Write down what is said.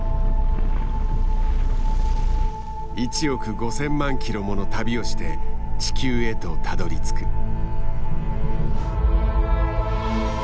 １億５，０００万キロもの旅をして地球へとたどりつく。